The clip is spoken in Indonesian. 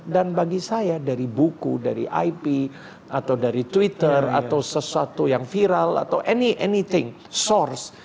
dan bagi saya dari buku dari ip atau dari twitter atau sesuatu yang viral atau anything source